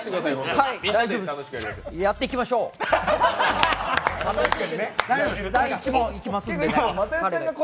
やっていきましょう、第１問いきますんで。